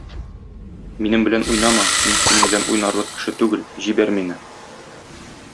Минем белән уйнама, мин синең белән уйнарлык кеше түгел, җибәр мине!